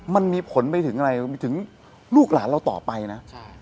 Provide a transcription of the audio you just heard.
มันมีผลไปถึงอะไรไปถึงลูกหลานเราต่อไปนะ